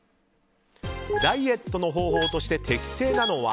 ダイエットの方法として適正なのは？